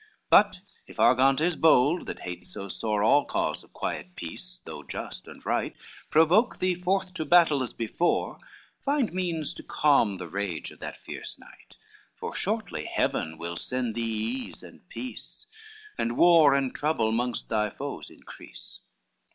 But if Argantes bold, that hates so sore All cause of quiet peace, though just and right, Provoke thee forth to battle, as before, Find means to calm the rage of that fierce knight, For shortly Heaven will send thee ease and peace, And war and trouble mongst thy foes increase."